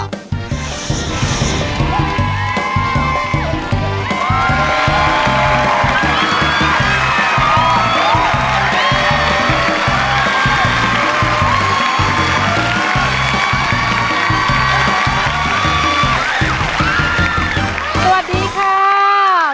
สวัสดีครับ